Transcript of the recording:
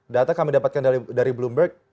data kami dapatkan dari bloomberg